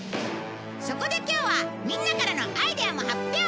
そこで今日はみんなからのアイデアも発表！